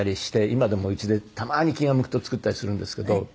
今でも家でたまに気が向くと作ったりするんですけど。